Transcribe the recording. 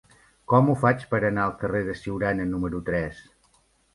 Com ho faig per anar al carrer de Siurana número tres?